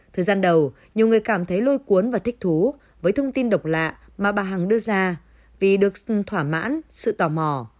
thời gian đầu nhiều người cảm thấy lôi cuốn và thích thú với thông tin độc lạ mà bà hằng đưa ra vì được thỏa mãn sự tò mò